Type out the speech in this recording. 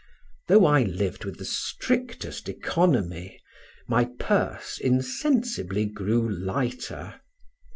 Though I lived with the strictest economy, my purse insensibly grew lighter.